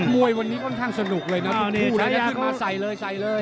มวยวันนี้ค่อนข้างสนุกเลยนะทั้งคู่นะขึ้นมาใส่เลยใส่เลย